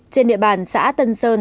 trên địa bàn xã tân sơn